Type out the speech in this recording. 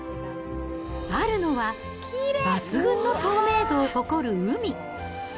あるのは、抜群の透明度を誇る海。